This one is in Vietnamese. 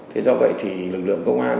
thế do vậy thì lực lượng công an